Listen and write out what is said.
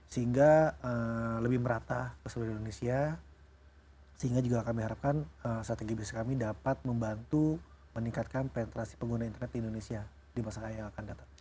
sehingga lebih merata ke seluruh indonesia sehingga juga kami harapkan strategi bisnis kami dapat membantu meningkatkan penetrasi pengguna internet di indonesia di masa yang akan datang